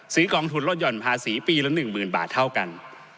กองทุนลดหย่อนภาษีปีละ๑๐๐๐บาทเท่ากัน